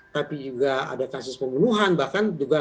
tapi juga ada kasus pembunuhan bahkan juga tiga ratus empat puluh